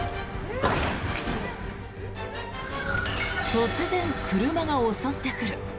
突然車が襲ってくる。